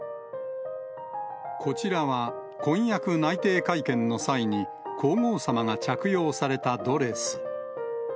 こちらは婚約内定会見の際に、皇后さまが着用されたドレス。